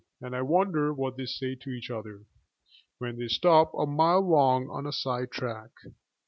And I wonder what they say to each otherWhen they stop a mile long on a sidetrack.